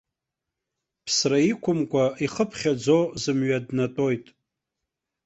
Ԥсра иқәымкәа ихы ԥхьаӡо зымҩа днатәоит.